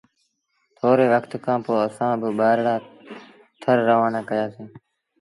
ٿوري وکت کآݩ پو اسآݩ با ٻآرڙآ ٿر روآنآ ڪيآسيٚݩ۔